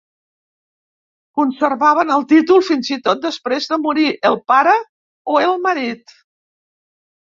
Conservaven el títol fins i tot després de morir el pare o el marit.